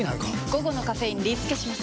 午後のカフェインリスケします！